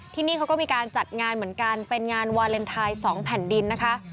ที่นี่เขาก็มีการจัดงานเหมือนกันเป็นงานวาเลนไทย๒แผ่นดินนะคะ